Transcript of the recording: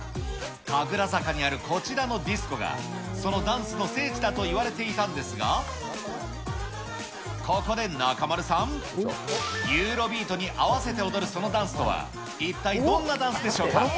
神楽坂にあるこちらのディスコが、そのダンスの聖地だといわれていたんですが、ここで中丸さん、ユーロビートに合わせて踊るそのダンスとは、一体どんなダンスでしょうか？